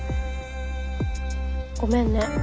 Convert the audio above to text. ごめんね。